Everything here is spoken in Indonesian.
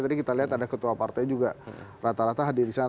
tadi kita lihat ada ketua partai juga rata rata hadir di sana